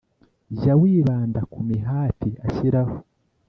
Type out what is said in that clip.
Jya wibanda ku mihati ashyiraho